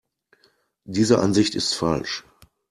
Diese Ansicht ist falsch.